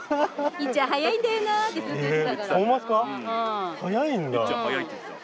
いっちゃん速いって言ってた。